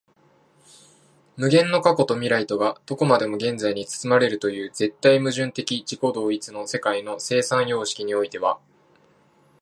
無限の過去と未来とがどこまでも現在に包まれるという絶対矛盾的自己同一の世界の生産様式においては、